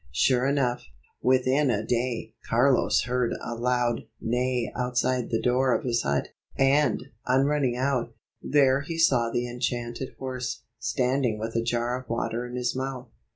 Sure enough, within a day, Carlos heard a loud neigh outside the door of his hut, and, on running out, there he saw the enchanted horse, standing with a jar of water in his mouth.